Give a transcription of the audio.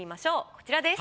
こちらです。